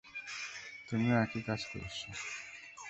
তুমিও একই কাজ করেছ।